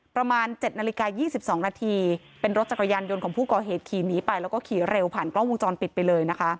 ประมาณ๗นาฬิกา๒๒นาทีเป็นรถจักรยานยนต์ของผู้ก่อเหตุขี่หนีไปแล้วก็ขี่เร็วผ่านกล้องวงจรปิดไปเลยนะคะ